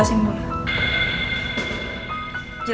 kau suka globul perang kita itu kenapa